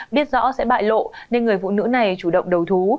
biết rõ sẽ bại lộ nên người phụ nữ này chủ động đầu thú